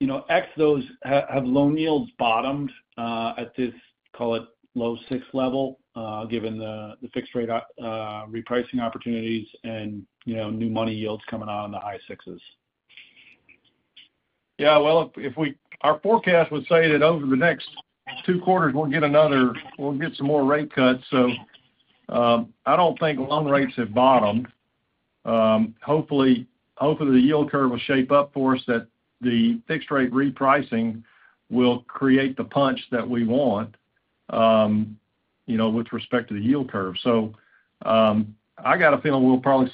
have loan yields bottomed at this, call it, low six level given the fixed rate repricing opportunities and new money yields coming on in the high sixes? Yeah. Our forecast would say that over the next two quarters, we'll get another, we'll get some more rate cuts. I don't think loan rates have bottomed. Hopefully, the yield curve will shape up for us that the fixed rate repricing will create the punch that we want with respect to the yield curve. I got a feeling we'll probably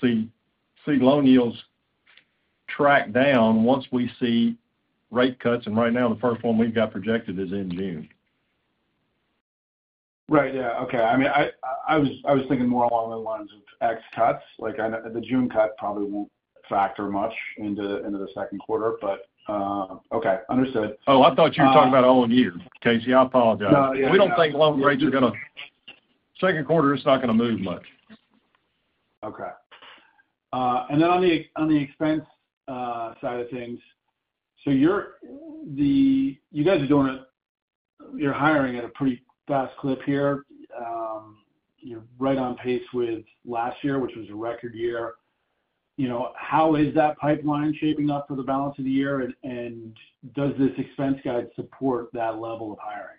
see loan yields track down once we see rate cuts. Right now, the first one we've got projected is in June. Right. Okay. I mean, I was thinking more along the lines of XCUTS. The June cut probably won't factor much into the second quarter, but okay. Understood. Oh, I thought you were talking about all year, Casey. I apologize. We don't think loan rates are going to, second quarter is not going to move much. Okay. On the expense side of things, you guys are doing it, you're hiring at a pretty fast clip here. You're right on pace with last year, which was a record year. How is that pipeline shaping up for the balance of the year? Does this expense guide support that level of hiring?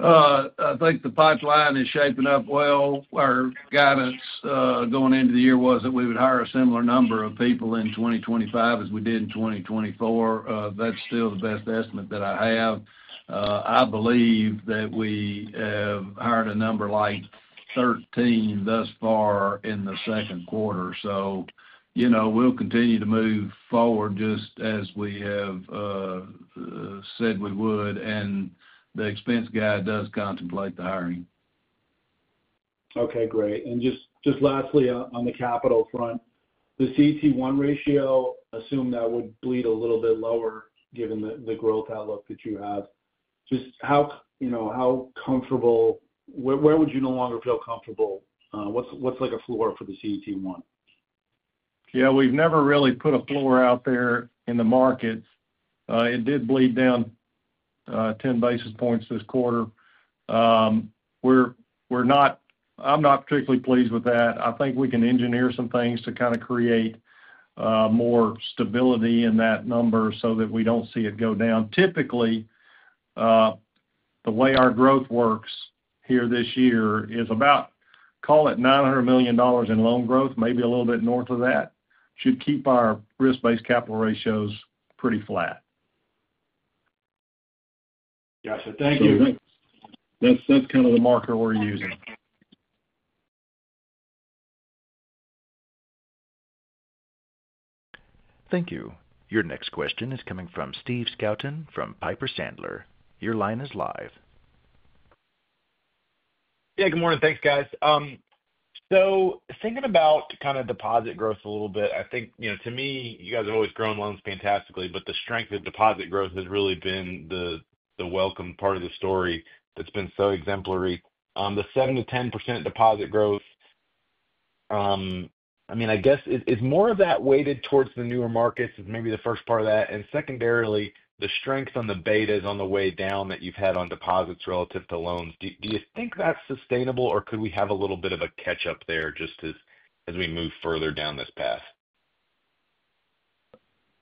I think the pipeline is shaping up well. Our guidance going into the year was that we would hire a similar number of people in 2025 as we did in 2024. That is still the best estimate that I have. I believe that we have hired a number like 13 thus far in the second quarter. We will continue to move forward just as we have said we would. The expense guide does contemplate the hiring. Okay. Great. Just lastly, on the capital front, the CET1 ratio, assume that would bleed a little bit lower given the growth outlook that you have. Just how comfortable, where would you no longer feel comfortable? What's like a floor for the CET1? Yeah. We've never really put a floor out there in the markets. It did bleed down 10 basis points this quarter. I'm not particularly pleased with that. I think we can engineer some things to kind of create more stability in that number so that we don't see it go down. Typically, the way our growth works here this year is about, call it, $900 million in loan growth, maybe a little bit north of that, should keep our risk-based capital ratios pretty flat. Gotcha. Thank you. That's kind of the marker we're using. Thank you. Your next question is coming from Steve Skelton from Piper Sandler. Your line is live. Yeah. Good morning. Thanks, guys. Thinking about kind of deposit growth a little bit, I think to me, you guys have always grown loans fantastically, but the strength of deposit growth has really been the welcome part of the story that's been so exemplary. The 7-10% deposit growth, I mean, I guess is more of that weighted towards the newer markets is maybe the first part of that. Secondarily, the strength on the betas on the way down that you've had on deposits relative to loans, do you think that's sustainable, or could we have a little bit of a catch-up there just as we move further down this path?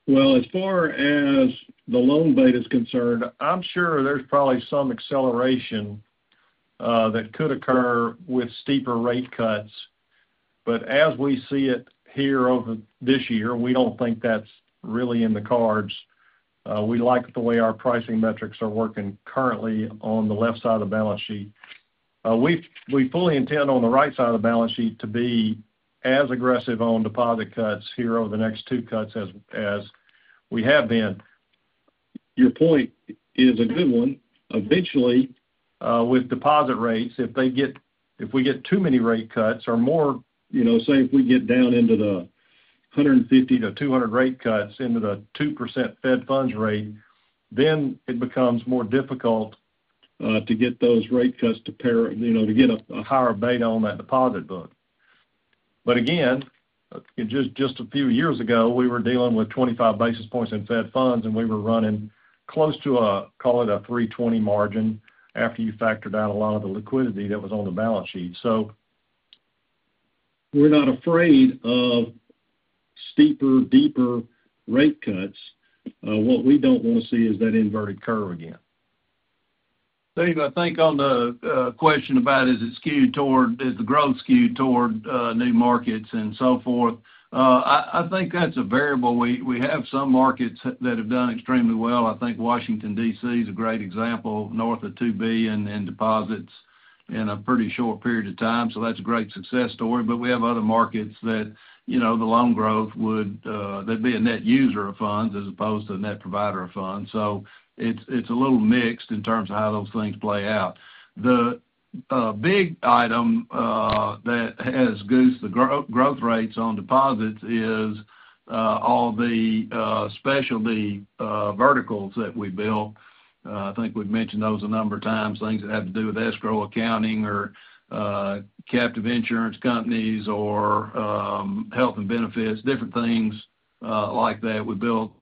As far as the loan beta is concerned, I'm sure there's probably some acceleration that could occur with steeper rate cuts. As we see it here over this year, we don't think that's really in the cards. We like the way our pricing metrics are working currently on the left side of the balance sheet. We fully intend on the right side of the balance sheet to be as aggressive on deposit cuts here over the next two cuts as we have been. Your point is a good one. Eventually, with deposit rates, if we get too many rate cuts or more, say if we get down into the 150-200 rate cuts into the 2% Fed funds rate, then it becomes more difficult to get those rate cuts to pair to get a higher beta on that deposit book. A few years ago, we were dealing with 25 basis points in Fed funds, and we were running close to, call it, a 320 margin after you factored out a lot of the liquidity that was on the balance sheet. We're not afraid of steeper, deeper rate cuts. What we don't want to see is that inverted curve again. Steve, I think on the question about is it skewed toward is the growth skewed toward new markets and so forth? I think that's a variable. We have some markets that have done extremely well. I think Washington, D.C. is a great example, north of $2 billion in deposits in a pretty short period of time. That's a great success story. We have other markets that the loan growth would that'd be a net user of funds as opposed to a net provider of funds. It's a little mixed in terms of how those things play out. The big item that has goosed the growth rates on deposits is all the specialty verticals that we built. I think we've mentioned those a number of times, things that have to do with escrow accounting or captive insurance companies or health and benefits, different things like that. We built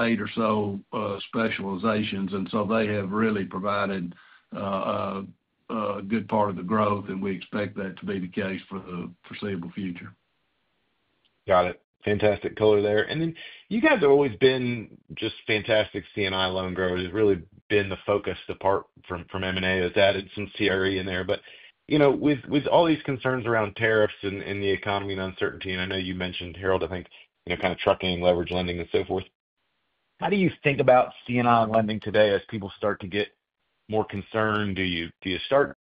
eight or so specializations. They have really provided a good part of the growth, and we expect that to be the case for the foreseeable future. Got it. Fantastic color there. You guys have always been just fantastic C&I loan growth. It's really been the focus apart from M&A. It's added some CRE in there. With all these concerns around tariffs and the economy and uncertainty, and I know you mentioned, Harold, I think, kind of trucking, leverage lending, and so forth, how do you think about C&I lending today as people start to get more concerned? Do you start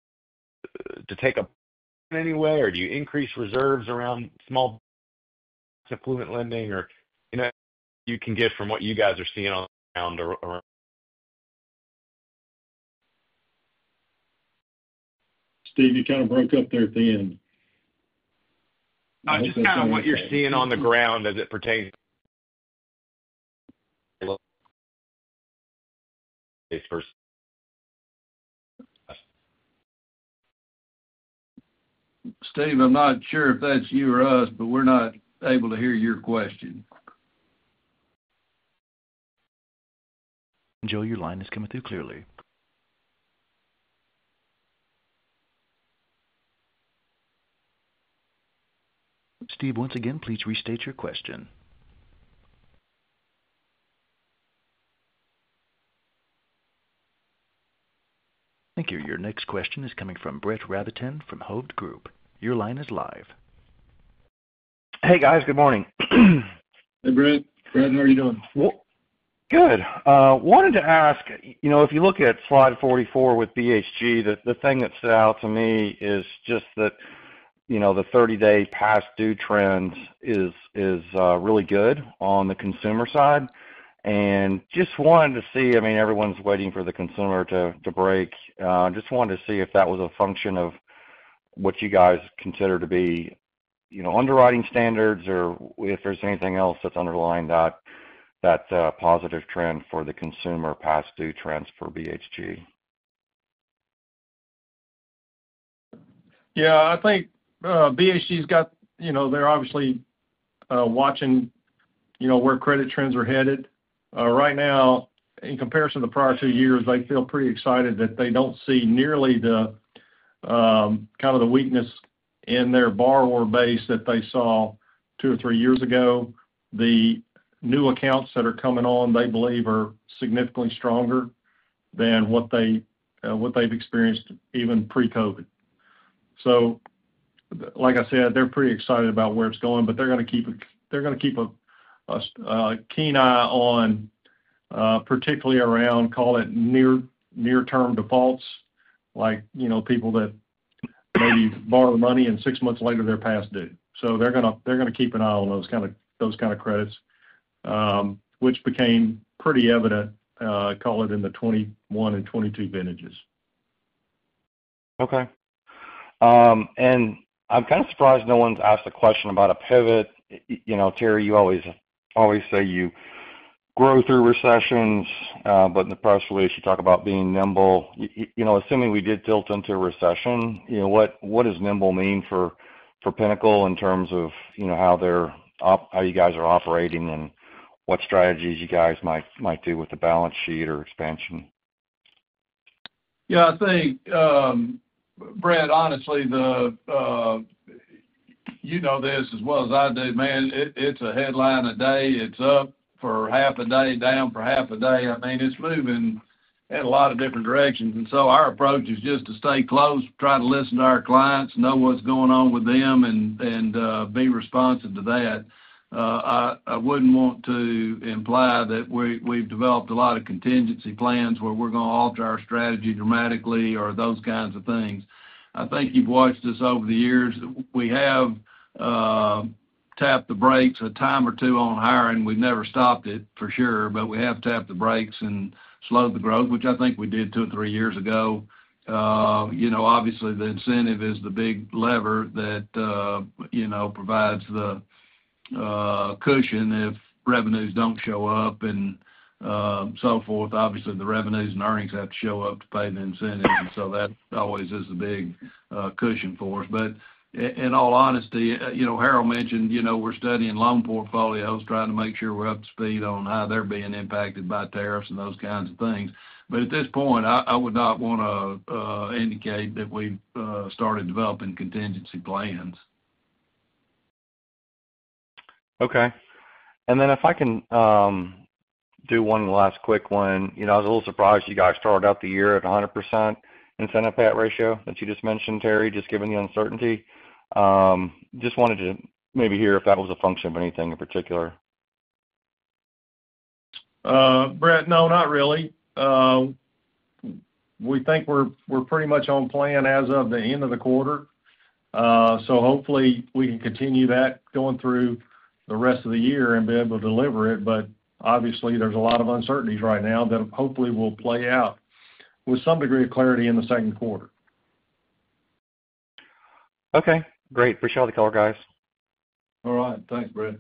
to take a, anyway, or do you increase reserves around small affluent lending, or you can get from what you guys are seeing on the ground? Steve, you kind of broke up there at the end. No, just kind of what you're seeing on the ground as it pertains to. Steve, I'm not sure if that's you or us, but we're not able to hear your question. Joe, your line is coming through clearly. Steve, once again, please restate your question. Thank you. Your next question is coming from Brett Rabiton from Hovde Group. Your line is live. Hey, guys. Good morning. Hey, Brett, how are you doing? Good. Wanted to ask, if you look at slide 44 with BHG, the thing that stood out to me is just that the 30-day past due trend is really good on the consumer side. And just wanted to see, I mean, everyone's waiting for the consumer to break. Just wanted to see if that was a function of what you guys consider to be underwriting standards or if there's anything else that's underlying that positive trend for the consumer past due trends for BHG. Yeah. I think BHG's got, they're obviously watching where credit trends are headed. Right now, in comparison to the prior two years, they feel pretty excited that they don't see nearly kind of the weakness in their borrower base that they saw two or three years ago. The new accounts that are coming on, they believe, are significantly stronger than what they've experienced even pre-COVID. Like I said, they're pretty excited about where it's going, but they're going to keep a keen eye on particularly around, call it, near-term defaults, like people that maybe borrow money and six months later, they're past due. They're going to keep an eye on those kind of credits, which became pretty evident, call it, in the 2021 and 2022 vintages. Okay. I'm kind of surprised no one's asked a question about a pivot. Terry, you always say you grow through recessions, but in the press release, you talk about being nimble. Assuming we did tilt into a recession, what does nimble mean for Pinnacle in terms of how you guys are operating and what strategies you guys might do with the balance sheet or expansion? Yeah. I think, Brett, honestly, you know this as well as I do, man. It's a headline a day. It's up for half a day, down for half a day. I mean, it's moving in a lot of different directions. Our approach is just to stay close, try to listen to our clients, know what's going on with them, and be responsive to that. I wouldn't want to imply that we've developed a lot of contingency plans where we're going to alter our strategy dramatically or those kinds of things. I think you've watched this over the years. We have tapped the brakes a time or two on hiring. We've never stopped it for sure, but we have tapped the brakes and slowed the growth, which I think we did two or three years ago. Obviously, the incentive is the big lever that provides the cushion if revenues do not show up and so forth. Obviously, the revenues and earnings have to show up to pay the incentive. That always is the big cushion for us. In all honesty, Harold mentioned we are studying loan portfolios, trying to make sure we are up to speed on how they are being impacted by tariffs and those kinds of things. At this point, I would not want to indicate that we have started developing contingency plans. Okay. If I can do one last quick one, I was a little surprised you guys started out the year at 100% incentive payout ratio that you just mentioned, Terry, just given the uncertainty. I just wanted to maybe hear if that was a function of anything in particular. Brett, no, not really. We think we're pretty much on plan as of the end of the quarter. Hopefully, we can continue that going through the rest of the year and be able to deliver it. Obviously, there's a lot of uncertainties right now that hopefully will play out with some degree of clarity in the second quarter. Okay. Great. Appreciate all the call, guys. All right. Thanks, Brett.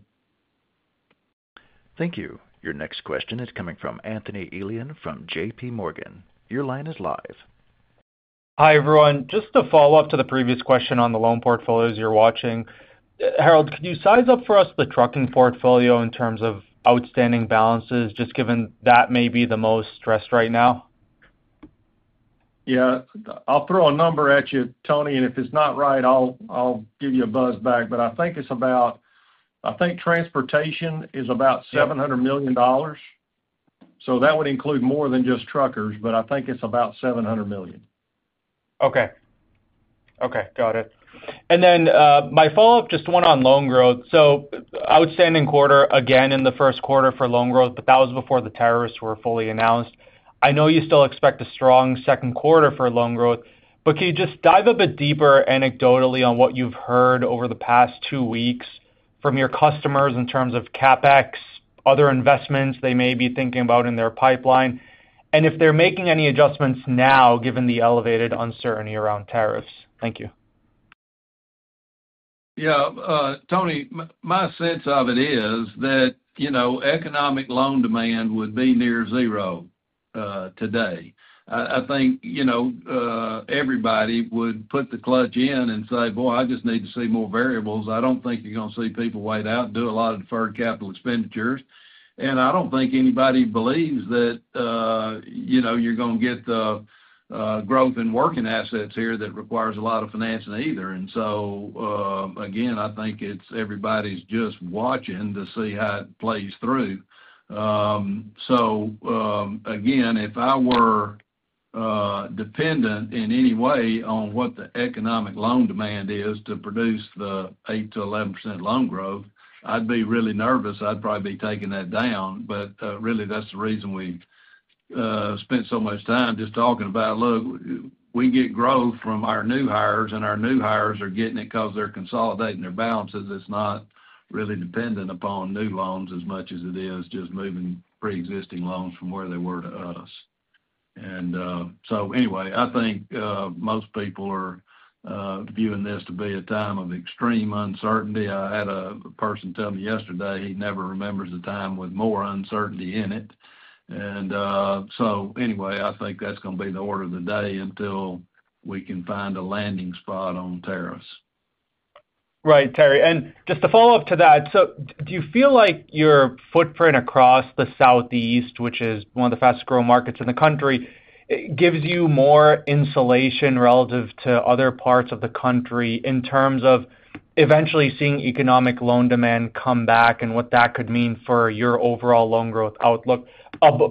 Thank you. Your next question is coming from Anthony Elion from JP Morgan. Your line is live. Hi, everyone. Just to follow up to the previous question on the loan portfolios you're watching, Harold, could you size up for us the trucking portfolio in terms of outstanding balances, just given that may be the most stressed right now? Yeah. I'll throw a number at you, Tony, and if it's not right, I'll give you a buzz back. I think transportation is about $700 million. That would include more than just truckers, but I think it's about $700 million. Okay. Okay. Got it. My follow-up, just one on loan growth. Outstanding quarter, again, in the first quarter for loan growth, but that was before the tariffs were fully announced. I know you still expect a strong second quarter for loan growth, but can you just dive a bit deeper anecdotally on what you've heard over the past two weeks from your customers in terms of CapEx, other investments they may be thinking about in their pipeline, and if they're making any adjustments now given the elevated uncertainty around tariffs? Thank you. Yeah. Tony, my sense of it is that economic loan demand would be near zero today. I think everybody would put the clutch in and say, "Boy, I just need to see more variables." I do not think you're going to see people wait out and do a lot of deferred capital expenditures. I do not think anybody believes that you're going to get the growth in working assets here that requires a lot of financing either. I think everybody's just watching to see how it plays through. If I were dependent in any way on what the economic loan demand is to produce the 8%-11% loan growth, I'd be really nervous. I'd probably be taking that down. That is the reason we spent so much time just talking about, "Look, we get growth from our new hires, and our new hires are getting it because they're consolidating their balances." It is not really dependent upon new loans as much as it is just moving pre-existing loans from where they were to us. Anyway, I think most people are viewing this to be a time of extreme uncertainty. I had a person tell me yesterday he never remembers a time with more uncertainty in it. Anyway, I think that is going to be the order of the day until we can find a landing spot on tariffs. Right, Terry. Just to follow up to that, do you feel like your footprint across the Southeast, which is one of the fastest growing markets in the country, gives you more insulation relative to other parts of the country in terms of eventually seeing economic loan demand come back and what that could mean for your overall loan growth outlook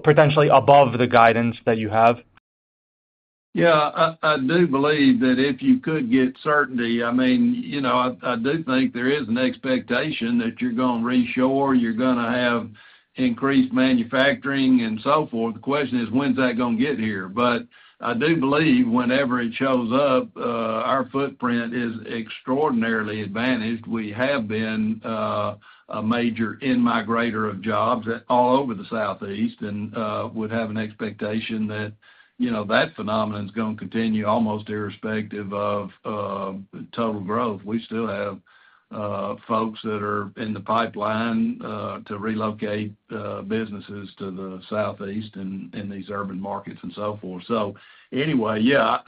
potentially above the guidance that you have? Yeah. I do believe that if you could get certainty, I mean, I do think there is an expectation that you're going to reshore, you're going to have increased manufacturing, and so forth. The question is, when's that going to get here? I do believe whenever it shows up, our footprint is extraordinarily advantaged. We have been a major in-migrator of jobs all over the Southeast and would have an expectation that that phenomenon is going to continue almost irrespective of total growth. We still have folks that are in the pipeline to relocate businesses to the Southeast and these urban markets and so forth. Anyway, yeah,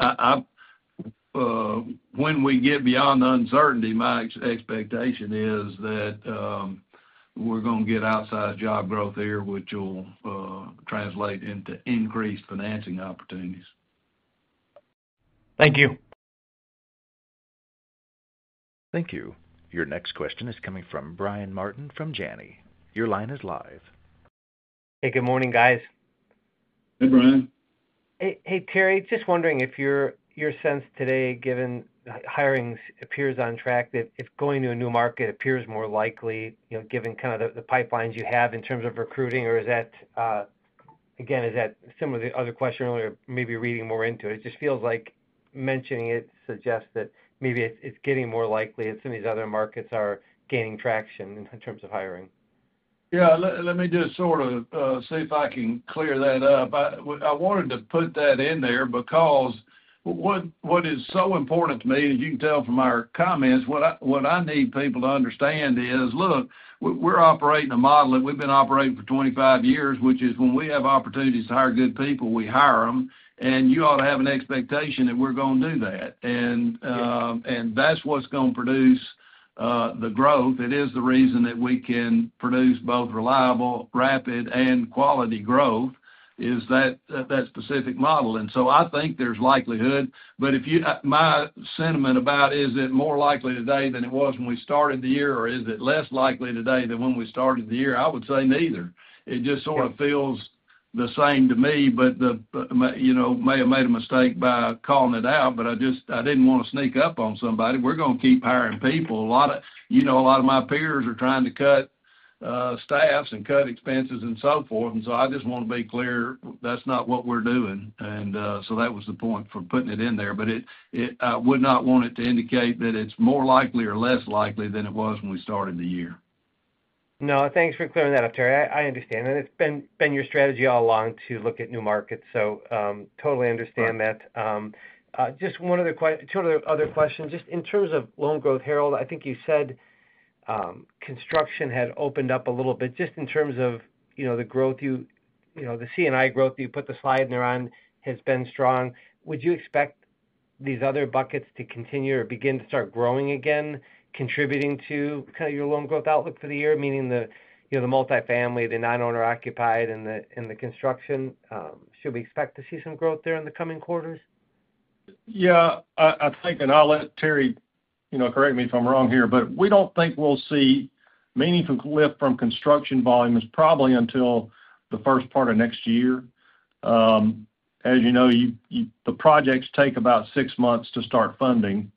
when we get beyond the uncertainty, my expectation is that we're going to get outsized job growth here, which will translate into increased financing opportunities. Thank you. Thank you. Your next question is coming from Brian Martin from Janney. Your line is live. Hey, good morning, guys. Hey, Brian. Hey, Terry. Just wondering if your sense today, given hiring appears on track, that if going to a new market appears more likely, given kind of the pipelines you have in terms of recruiting, or is that, again, is that similar to the other question earlier, maybe reading more into it? It just feels like mentioning it suggests that maybe it's getting more likely that some of these other markets are gaining traction in terms of hiring. Yeah. Let me just sort of see if I can clear that up. I wanted to put that in there because what is so important to me, as you can tell from our comments, what I need people to understand is, "Look, we're operating a model that we've been operating for 25 years, which is when we have opportunities to hire good people, we hire them, and you ought to have an expectation that we're going to do that." That is what's going to produce the growth. It is the reason that we can produce both reliable, rapid, and quality growth is that specific model. I think there's likelihood. My sentiment about, is it more likely today than it was when we started the year, or is it less likely today than when we started the year? I would say neither. It just sort of feels the same to me, but may have made a mistake by calling it out, but I did not want to sneak up on somebody. We are going to keep hiring people. A lot of my peers are trying to cut staffs and cut expenses and so forth. I just want to be clear, that is not what we are doing. That was the point for putting it in there. I would not want it to indicate that it is more likely or less likely than it was when we started the year. No, thanks for clearing that up, Terry. I understand. It has been your strategy all along to look at new markets. I totally understand that. Just one other question, two other questions. Just in terms of loan growth, Harold, I think you said construction had opened up a little bit. Just in terms of the growth, the C&I growth that you put the slide there on has been strong. Would you expect these other buckets to continue or begin to start growing again, contributing to kind of your loan growth outlook for the year, meaning the multifamily, the non-owner-occupied, and the construction? Should we expect to see some growth there in the coming quarters? Yeah. I think, and I'll let Terry correct me if I'm wrong here, but we don't think we'll see meaningful lift from construction volumes probably until the first part of next year. As you know, the projects take about six months to start funding,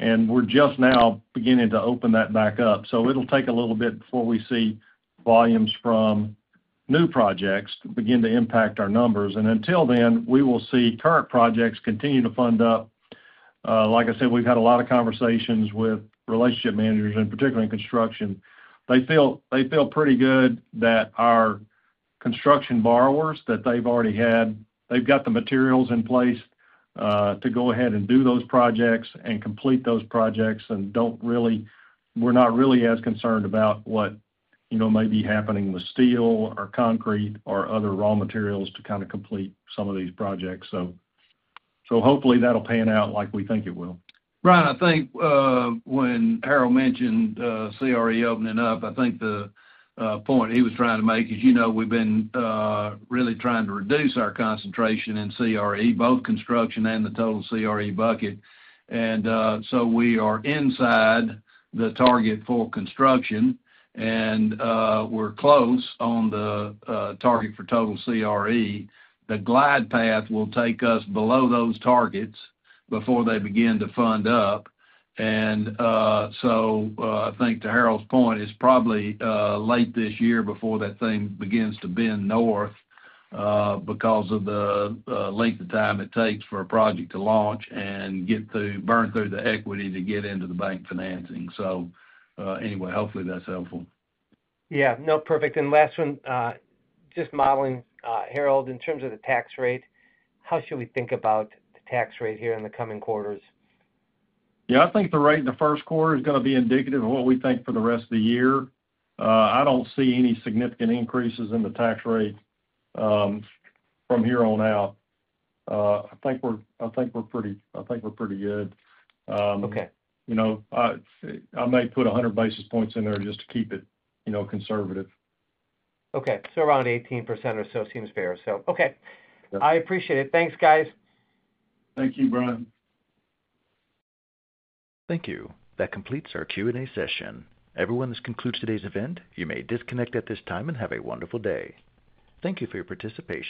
and we're just now beginning to open that back up. It will take a little bit before we see volumes from new projects begin to impact our numbers. Until then, we will see current projects continue to fund up. Like I said, we've had a lot of conversations with relationship managers, and particularly in construction. They feel pretty good that our construction borrowers that they've already had, they've got the materials in place to go ahead and do those projects and complete those projects. We are not really as concerned about what may be happening with steel or concrete or other raw materials to kind of complete some of these projects. Hopefully, that will pan out like we think it will. Right. I think when Harold mentioned CRE opening up, I think the point he was trying to make is we have been really trying to reduce our concentration in CRE, both construction and the total CRE bucket. We are inside the target for construction, and we are close on the target for total CRE. The glide path will take us below those targets before they begin to fund up. I think to Harold's point, it is probably late this year before that thing begins to bend north because of the length of time it takes for a project to launch and burn through the equity to get into the bank financing. Anyway, hopefully, that's helpful. Yeah. No, perfect. Last one, just modeling, Harold, in terms of the tax rate, how should we think about the tax rate here in the coming quarters? Yeah. I think the rate in the first quarter is going to be indicative of what we think for the rest of the year. I do not see any significant increases in the tax rate from here on out. I think we're pretty—I think we're pretty good. I may put 100 basis points in there just to keep it conservative. Okay. Around 18% or so seems fair. Okay. I appreciate it. Thanks, guys. Thank you, Brian. Thank you. That completes our Q&A session. Everyone, this concludes today's event. You may disconnect at this time and have a wonderful day. Thank you for your participation.